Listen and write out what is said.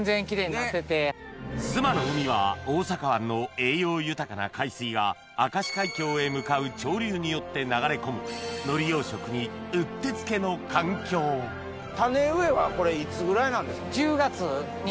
須磨の海は大阪湾の栄養豊かな海水が明石海峡へ向かう潮流によって流れ込むの環境種植えはこれいつぐらいなんですか？